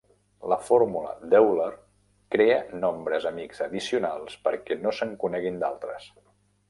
La fórmula d'Euler crea nombres amics addicionals perquè no se'n coneguin d'altres.